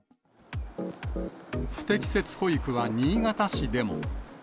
不適切保育は新潟市でも。